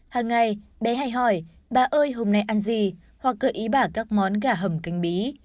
hàng ngày bé hay hỏi bà ơi hôm nay ăn gì hoặc gợi ý bảo các món gà hầm canh bí